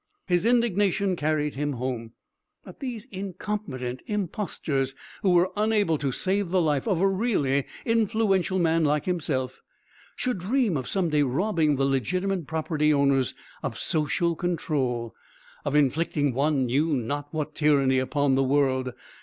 His indignation carried him home. That these incompetent impostors, who were unable to save the life of a really influential man like himself, should dream of some day robbing the legitimate property owners of social control, of inflicting one knew not what tyranny upon the world.